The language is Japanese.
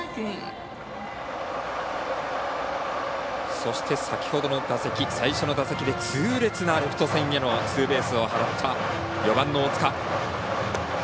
そして、先ほどの打席最初の打席で痛烈なレフト線へのツーベースを放った４番の大塚。